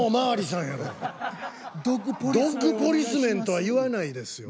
「ドッグポリスメン」とは言わないですよ。